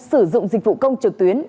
sử dụng dịch vụ công trực tuyến